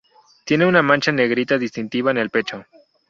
Tiene una mancha negra distintiva en el pecho.